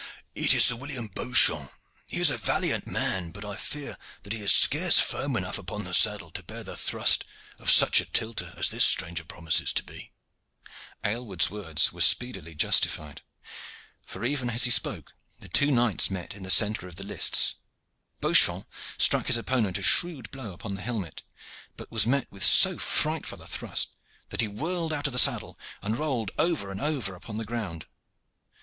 "It is Sir William Beauchamp. He is a valiant man, but I fear that he is scarce firm enough upon the saddle to bear the thrust of such a tilter as this stranger promises to be." Aylward's words were speedily justified, for even as he spoke the two knights met in the centre of the lists. Beauchamp struck his opponent a shrewd blow upon the helmet, but was met with so frightful a thrust that he whirled out of his saddle and rolled over and over upon the ground.